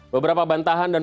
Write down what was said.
nog besar pesan pesan karsip